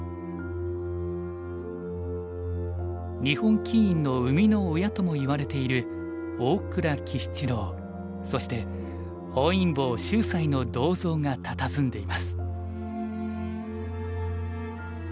日本棋院の生みの親ともいわれている大倉喜七郎そして本因坊秀哉の銅像がたたずんでいます。